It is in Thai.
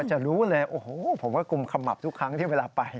จะรู้เลยโอ้โหผมว่ากุมขมับทุกครั้งที่เวลาไป